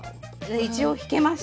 一応引けました。